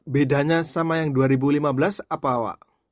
bedanya sama yang dua ribu lima belas apa pak